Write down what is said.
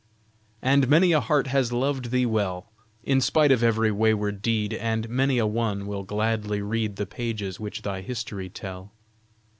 And many a heart has loved thee well, In spite of every wayward deed, And many a one will gladly read, The pages which thy history tell.